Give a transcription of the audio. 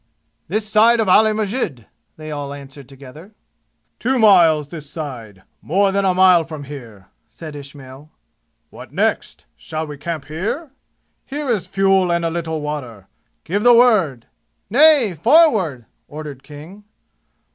"This side of Ali Masjid!" they answered all together. "Two miles this side. More than a mile from here," said Ismail. "What next? Shall we camp here? Here is fuel and a little water. Give the word " "Nay forward!" ordered King.